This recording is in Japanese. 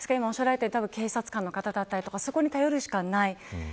警察官の方だったりそこに頼るしかない。